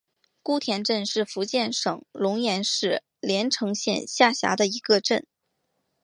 姑田镇是福建省龙岩市连城县下辖的一个镇。